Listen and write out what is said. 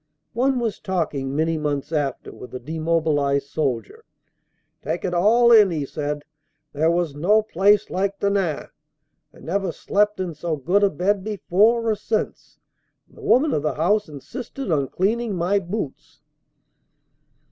One was talking many months after with a demobilized soldier. "Take it all in all," he said, "there was no place like Denain. I never slept in so good a bed before or since, and the woman of the house insisted on cleaning my boots!"